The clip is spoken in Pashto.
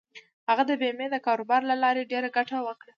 هغه د بېمې د کاروبار له لارې ډېره ګټه وکړه.